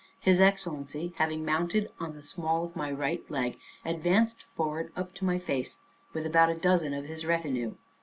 His Excellency, having mounted on the small of my right leg, advanced forwards up to my face, with about a dozen of his retinue.